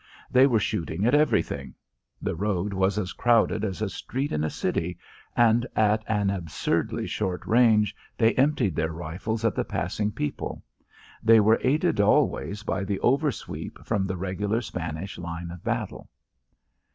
They were shooting at everything. The road was as crowded as a street in a city, and at an absurdly short range they emptied their rifles at the passing people. They were aided always by the over sweep from the regular Spanish line of battle.